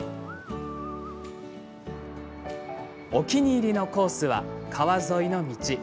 お気に入りのコースは川沿いの道。